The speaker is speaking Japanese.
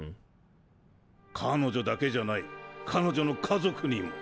彼女だけじゃない彼女の家族にも。